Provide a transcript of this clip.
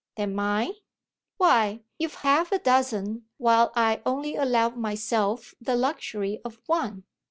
"Than mine?" "Why you've half a dozen while I only allow myself the luxury of one.